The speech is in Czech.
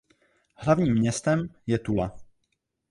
Hlavním městem je Tula.